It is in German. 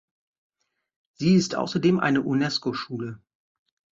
Sie ist außerdem eine Unesco Schule.